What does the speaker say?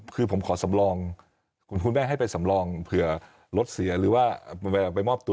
คือผมขอสำรองคุณแม่ให้ไปสำรองเผื่อรถเสียหรือว่าเวลาไปมอบตัว